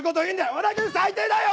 和田君最低だよ！